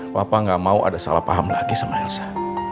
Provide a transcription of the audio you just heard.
papa gak mau ada salah paham lagi sama elsa